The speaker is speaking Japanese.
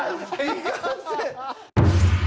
「いかんせん」。